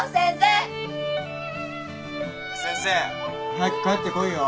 早く帰ってこいよ。